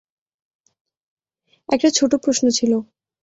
একটা ছোট প্রশ্ন ছিল।